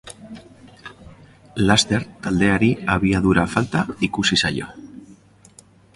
Laster, taldeari abiadura falta ikusi zaio.